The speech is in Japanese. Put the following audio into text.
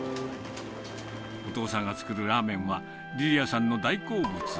お父さんが作るラーメンは、りりあさんの大好物。